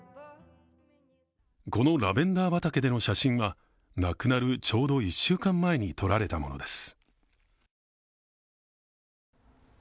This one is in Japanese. このラベンダー畑での写真は亡くなるちょうど１週間前に撮られたものです。